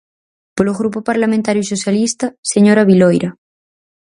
Polo Grupo Parlamentario Socialista, señora Viloira.